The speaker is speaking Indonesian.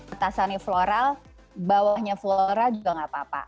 atasannya floral bawahnya floral juga nggak apa apa